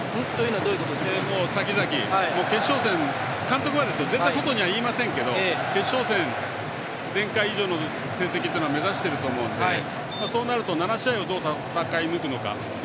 さきざき、決勝戦監督は絶対外には言いませんけど決勝戦前回以上の成績っていうのは目指していると思うのでそうなると７試合をどう戦いぬくのか。